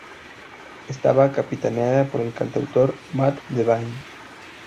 Estaba capitaneada por el cantautor Mat Devine.